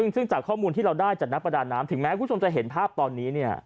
ซึ่งจากข้อมูลที่เราได้จากนักประดาน้ำถึงแม้คุณผู้ชมจะเห็นภาพตอนนี้